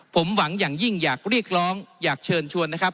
ผมหวังอย่างยิ่งอยากเรียกร้องอยากเชิญชวนนะครับ